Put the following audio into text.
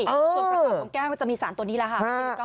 ส่วนประกอบของแก้วก็จะมีสารตัวนี้แหละค่ะ